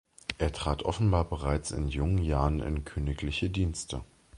Er trat offenbar bereits in jungen Jahren in königliche Dienste.